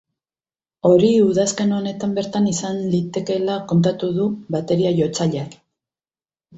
Hori udazken honetan bertan izan litekeela kontatu du bateria-jotzaileak.